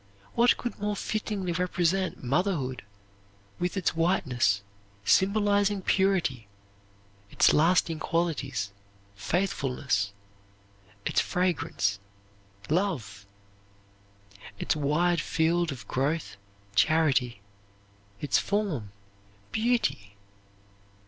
What could more fittingly represent motherhood with its whiteness symbolizing purity; its lasting qualities, faithfulness; its fragrance, love; its wide field of growth, charity; its form, beauty!